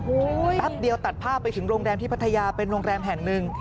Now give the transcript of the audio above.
แป๊บเดียวตัดภาพไปถึงโรงแรมที่พัทยาเป็นโรงแรมแห่งหนึ่ง